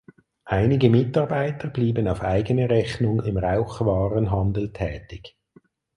Einige Mitarbeiter blieben auf eigene Rechnung im Rauchwarenhandel tätig.